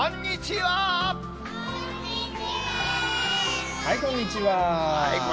はい、こんにちは。